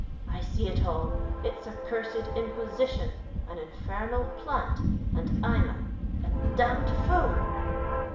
"I see it all—it's a cursed imposition—an infernal plant—and I'm a—a—damned fool!"